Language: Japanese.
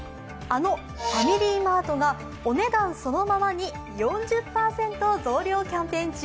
あのファミリーマートがお値段そのまま！！に４０％増量キャンペーン中。